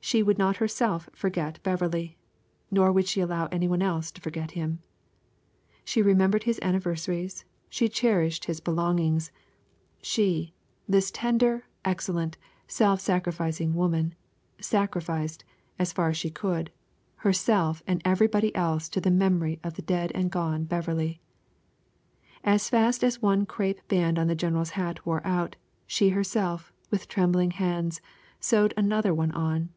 She would not herself forget Beverley, nor would she allow anybody else to forget him. She remembered his anniversaries, she cherished his belongings; she, this tender, excellent, self sacrificing woman, sacrificed, as far as she could, herself and everybody else to the memory of the dead and gone Beverley. As fast as one crape band on the general's hat wore out, she herself, with trembling hands, sewed another one on.